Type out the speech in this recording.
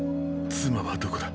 妻はどこだ。